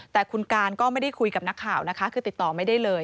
แต่คุณการก็ไม่ได้คุยกับนักข่าวนะคะคือติดต่อไม่ได้เลย